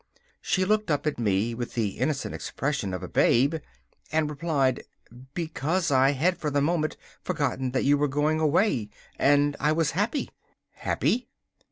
She looked up at me with the innocent expression of a babe, and replied: 'Because I had for the moment forgotten that you were going away, and I was happy.' 'Happy?